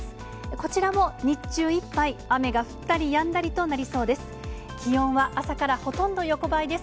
こちらも日中いっぱい、雨が降ったりやんだりとなりそうです。